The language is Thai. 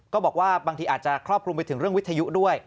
บอกว่าบางทีอาจจะครอบคลุมไปถึงเรื่องวิทยุด้วย